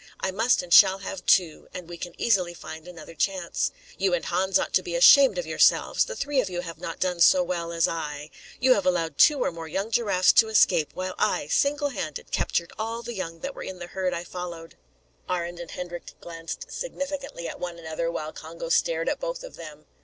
I must and shall have two, and we can easily find another chance. You and Hans ought to be ashamed of yourselves. The three of you have not done so well as I. You have allowed two or more young giraffes to escape, while I, single handed, captured all the young that were in the herd I followed." Arend and Hendrik glanced significantly at one another while Congo stared at both of them.